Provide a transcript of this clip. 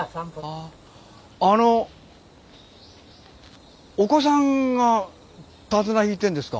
あのお子さんが手綱引いてんですか？